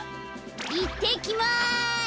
いってきます！